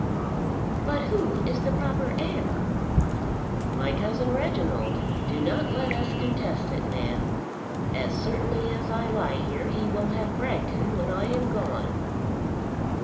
"But who is the proper heir?" "My cousin Reginald. Do not let us contest it, ma'am. As certainly as I lie here he will have Bragton when I am gone."